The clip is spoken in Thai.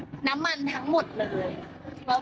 คือน้ำมันอาจกดอยู่บนแก้ปัญหาหยดออกมานะคะ